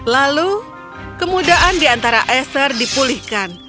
lalu kemudahan di antara eser dipulihkan